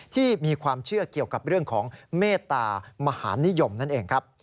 ที่มีความเชื่อเกี่ยวกับเรื่องของเมตตามหานิยมนั่นเองครับ